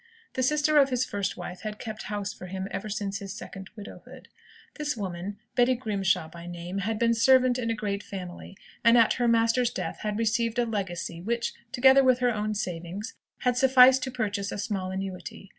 The sister of his first wife had kept house for him ever since his second widowhood. This woman, Betty Grimshaw by name, had been servant in a great family; and at her master's death had received a legacy, which, together with her own savings, had sufficed to purchase a small annuity.